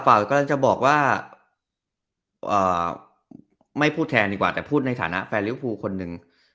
กำลังจะบอกว่าไม่พูดแทนดีกว่าแต่พูดในฐานะแฟนริวภูคนหนึ่ง